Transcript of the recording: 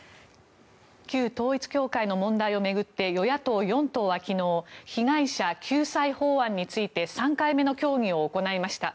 旧統一教会の問題を巡って与野党４党は昨日被害者救済法案について３回目の協議を行いました。